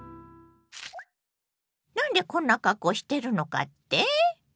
なんでこんな格好してるのかって？